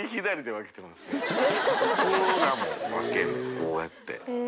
こうやって。